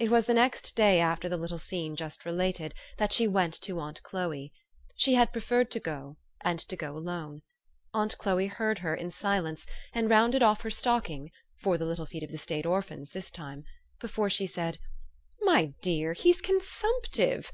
It was the next day after the little scene just re lated, that she went to aunt Chloe. She had pre ferred to go, and to go alone. Aunt Chloe heard her in silence, and rounded off her stocking (for the little feet of the State orphans, this time) , before she said, " My dear, he's consumptive!